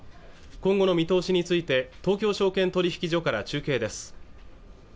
今後の見通しについて東京証券取引所から中継です